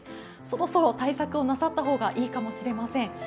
そろそろ対策をなさった方がいいかもしれません。